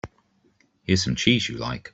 Here's some cheese you like.